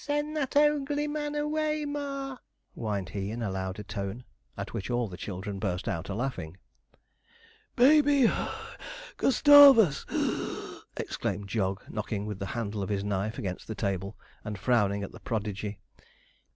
'Send that ogl e y man away, ma!' whined he, in a louder tone, at which all the children burst out a laughing. 'Baby (puff), Gustavus! (wheeze),' exclaimed Jog, knocking with the handle of his knife against the table, and frowning at the prodigy.